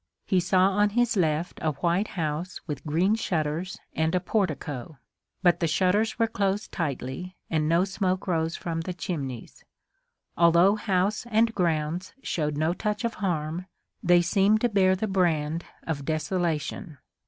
He saw on his left a white house with green shutters and a portico. But the shutters were closed tightly and no smoke rose from the chimneys. Although house and grounds showed no touch of harm, they seemed to bear the brand of desolation.